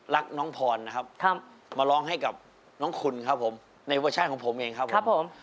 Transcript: รักน้องพรนะครับมาร้องให้กับน้องคุณครับผมในเวอร์ชั่นของผมเองครับผมครับผม